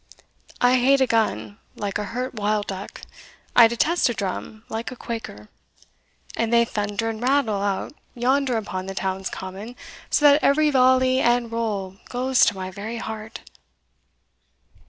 I hate a gun like a hurt wild duck I detest a drum like a quaker; and they thunder and rattle out yonder upon the town's common, so that every volley and roll goes to my very heart."